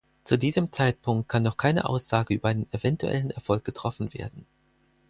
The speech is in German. Zu diesem Zeitpunkt kann noch keine Aussage über einen eventuellen Erfolg getroffen werden.